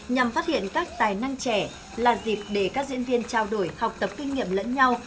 nhằm phát hiện các tài năng trẻ là dịp để các diễn viên trao đổi học tập kinh nghiệm lẫn nhau